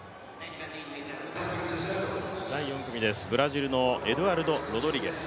第４組です、ブラジルのエドゥアルド・ロドリゲス。